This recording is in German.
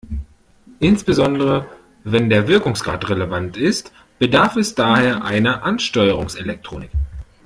Insbesondere wenn der Wirkungsgrad relevant ist, bedarf es daher einer Ansteuerungselektronik.